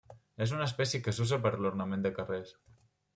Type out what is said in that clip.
És una espècie que s'usa per a l'ornament de carrers.